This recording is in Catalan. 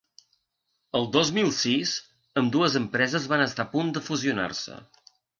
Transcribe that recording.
El dos mil sis ambdues empreses van estar a punt de fusionar-se.